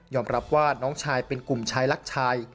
รับว่าน้องชายเป็นกลุ่มชายรักชาย